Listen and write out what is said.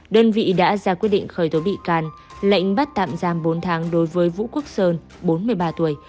đơn vị đã ra quyết định khởi tố bị can lệnh bắt tạm giam bốn tháng đối với vũ quốc sơn bốn mươi ba tuổi